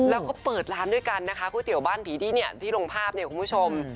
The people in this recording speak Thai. แล้วก็เปิดร้านด้วยกันนะคะก๋วยเตี๋ยวบ้านผีดี้เนี่ยที่ลงภาพเนี่ยคุณผู้ชม